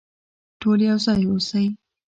ټول يو ځای اوسئ.